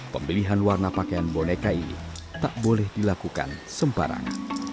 pembelian warna pakaian boneka ini tak boleh dilakukan sembarang